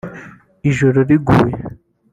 Ijoro riguye